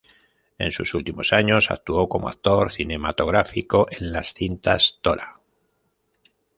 En sus últimos años actuó como actor cinematográfico en las cintas "Tora!